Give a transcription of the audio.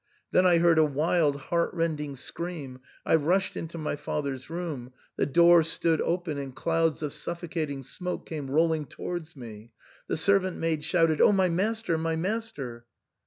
Then I heard a wild heartrending scream ; I rushed into my father's room ; the door stood open, and clouds of suffocating smoke came rolling towards me. The servant maid shouted, " Oh ! my master ! my master